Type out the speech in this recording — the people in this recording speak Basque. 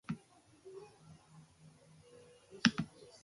Michelak ere ezin izan zuen eraman, ez baitzekien gidatzen.